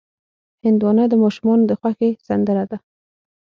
هندوانه د ماشومانو د خوښې سندره ده.